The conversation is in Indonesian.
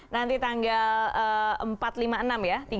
nanti tanggal empat lima enam ya